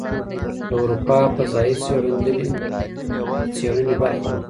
د اروپا فضايي څېړندلې د څېړنې برخه ده.